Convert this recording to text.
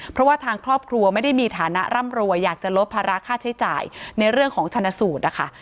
เพราะว่าทางครอบครัวไม่ได้มีฐานะร่ำรวยอยากจะลดภาระค่าใช้จ่ายในเรื่องของชนะสูตรนะคะ